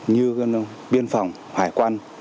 như biên phòng hải quan